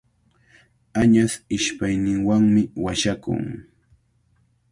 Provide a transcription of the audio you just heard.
Añas ishpayninwanmi washakun.